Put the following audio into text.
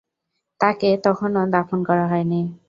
তাঁকে তখনো দাফন করা হয়নি।